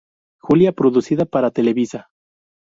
Julia", producida para Televisa.